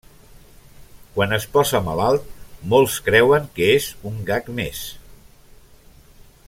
Quan es posa malalt, molts creuen que és un gag més.